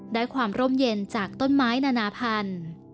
ความร่มเย็นจากต้นไม้นานาพันธุ์